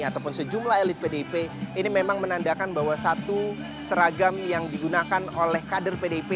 ataupun sejumlah elit pdip ini memang menandakan bahwa satu seragam yang digunakan oleh kader pdip